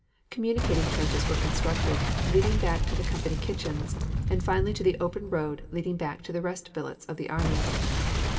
Communicating trenches were constructed, leading back to the company kitchens, and finally to the open road leading back to the rest billets of the armies.